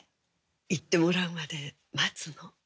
言ってもらうまで待つの。